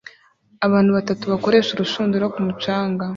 Abantu batatu bakoresha urushundura ku mucanga